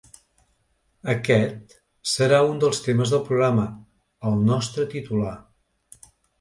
Aquest serà un dels temes del programa, el nostre titular.